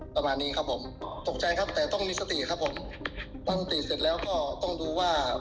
ประมาณนี้ครับผมตกใจครับแต่ต้องมีสติครับผมตั้งสติเสร็จแล้วก็ต้องดูว่า